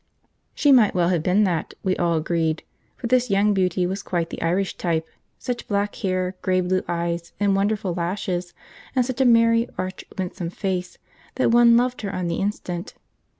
She might well have been that, we all agreed; for this young beauty was quite the Irish type, such black hair, grey blue eyes, and wonderful lashes, and such a merry, arch, winsome face, that one loved her on the instant.